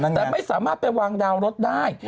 แต่ไม่สามารถไปวางดาวรถได้